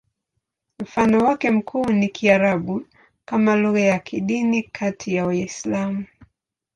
Mfano wake mkuu ni Kiarabu kama lugha ya kidini kati ya Waislamu.